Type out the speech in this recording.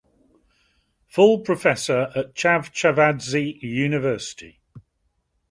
Full professor at Chavchavadze University.